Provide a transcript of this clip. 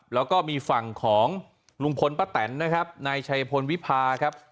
แล้วก็มีฝั่งของลุงพลป้าแตนนะครับนายชัยพลวิพาครับ